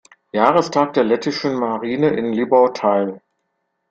Jahrestag der Lettischen Marine in Libau teil.